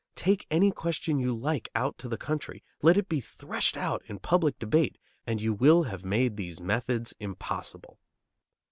Take any question you like out to the country, let it be threshed out in public debate, and you will have made these methods impossible.